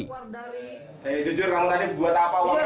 hei jujur kamu tadi buat apa uangnya